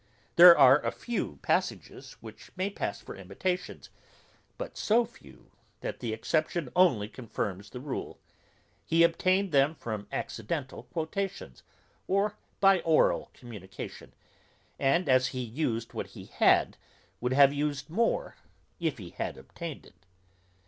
There are a few passages which may pass for imitations, but so few, that the exception only confirms the rule; he obtained them from accidental quotations, or by oral communication, and as he used what he had, would have used more if he had obtained it.